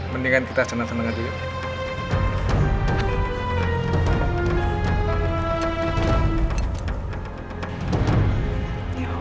mendingan kita senang senang aja ya